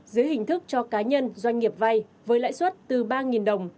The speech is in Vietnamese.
dưới hình thức cho cá nhân doanh nghiệp vay với lãi suất từ ba đồng